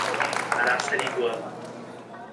Araçariguama